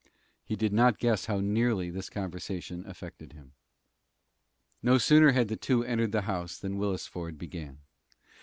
He did not guess how nearly this conversation affected him. No sooner had the two entered the house than Willis Ford began.